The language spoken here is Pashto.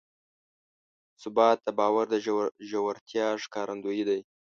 ثبات د باور د ژورتیا ښکارندوی دی.